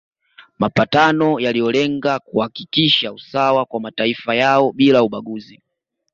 Mapatano yaliyolenga kuhakikisha usawa kwa mataifa yao bila ubaguzi